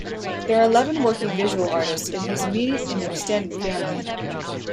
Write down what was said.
There are eleven working visual artists in his immediate and extended family.